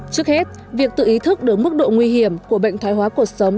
trước hết việc tự ý thức được mức độ nguy hiểm của bệnh thoái hóa cuộc sống